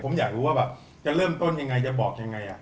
ผมอยากรู้ว่าแบบจะเริ่มต้นยังไงจะบอกยังไง